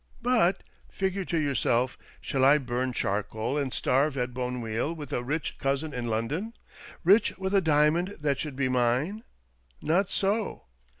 But, figure to yourself ; shall I bum charcoal and starve at Bonneuil with a rich cousin in London — rich with a diamond that should be mine? Not so.